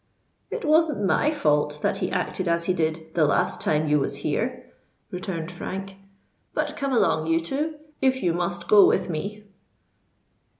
"It wasn't my fault that he acted as he did the last time you was here," returned Frank. "But come along, you two—if you must go with me."